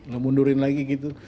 lu mundurin lagi gitu